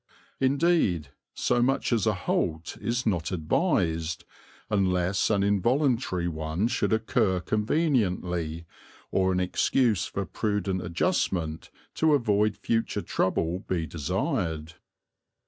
Indeed, so much as a halt is not advised, unless an involuntary one should occur conveniently, or an excuse for prudent adjustment to avoid future trouble be desired.